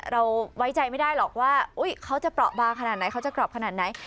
เราไว้ใจไม่ได้หรอกว่าเขาจะเปราะบาขนาดไหนเขาจะกรอบขนาดไหน